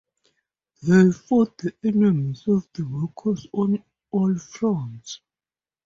They fought the enemies of the workers on all fronts.